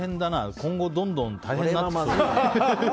今後どんどん大変になってきそう。